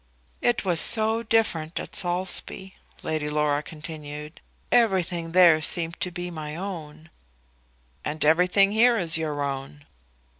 "It was so different at Saulsby," Lady Laura continued. "Everything there seemed to be my own." "And everything here is your own."